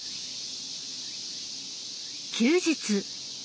休日。